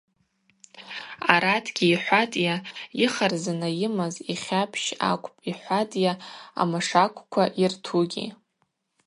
Аратгьи,—йхӏватӏйа,—йыхарзына йымаз, йхьапщ акӏвпӏ, — йхӏватӏйа,—амашаквква йыртугьи.